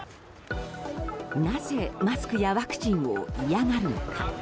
なぜマスクやワクチンを嫌がるのか。